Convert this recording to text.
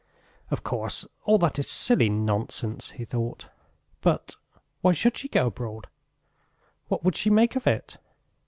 "Of course, all that is silly nonsense," he thought; "but... why should she go abroad? What would she make of it?